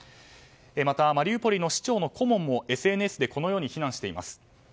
また、マリウポリの市長の顧問もＳＮＳでこう非難しています。